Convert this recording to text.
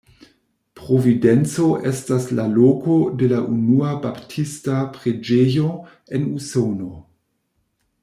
Providenco estas la loko de la unua baptista preĝejo en Usono.